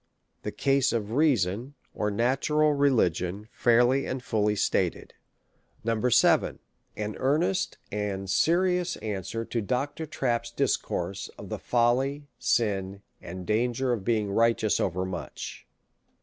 The Case of Reason ; or. Natural Religion fair ly and fully Stated. 8vo. THE REY. W. LAW. XVll 7. An earnest an serious Answer to Dr. Trapp's Discourse of the Folly, Sin, and Danger of being Righteous over much.